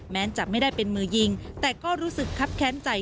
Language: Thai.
แม้จะไม่ได้เป็นมือยิงแต่ก็รู้สึกครับแค้นใจ